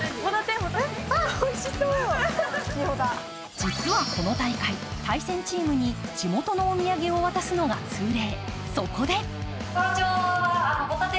実は、この大会、対戦チームに地元のお土産を渡すのが通例。